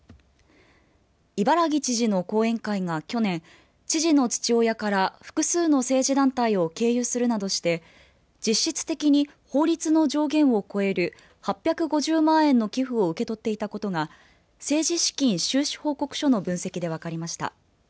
伊原木知事の後援会が去年知事の父親から複数の政治団体を経由するなどして実質的に法律の上限を超える８５０万円の寄付を受け取っていたことが政治資金収支報告書の分析で分かりました。